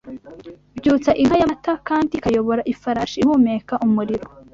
Byutsa inka yamata, kandi ikayobora ifarashi ihumeka umuriro